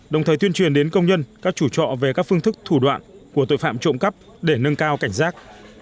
đồng thời tuyên truyền đến công nhân các chủ trọ về các phương thức thủ đoạn của tội phạm trộm cắp để nâng cao cảnh giác